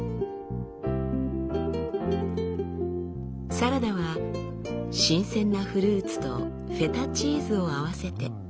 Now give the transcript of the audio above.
サラダは新鮮なフルーツとフェタチーズを合わせて。